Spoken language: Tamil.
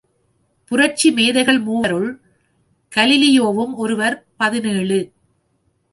புரட்சி மேதைகள் மூவருள் கலீலியோவும் ஒருவர் பதினேழு .